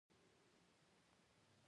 احمده! ته ښار ته ځې او که پاته کېږې؟